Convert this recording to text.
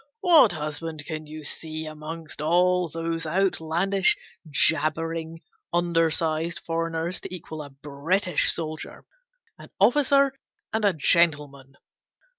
What husband can you see among all those out landish, jabbering, undersized foreigners to equal a British soldier an officer and a gentle man?"